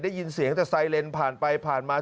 ได้ยินเสียงแต่ไซเลนผ่านไปผ่านมา